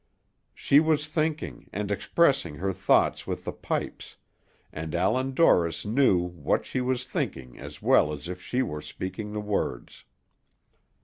She was thinking, and expressing her thoughts with the pipes, and Allan Dorris knew what she was thinking as well as if she were speaking the words.